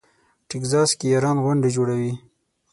ټکزاس کې یاران غونډه جوړوي.